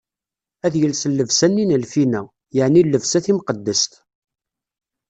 Ad yels llebsa-nni n lfina, yeɛni llebsa timqeddest.